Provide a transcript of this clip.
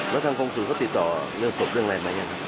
แล้วทางโครงสูตรเขาติดต่อเรื่องศพเรื่องอะไรมาอย่างนั้น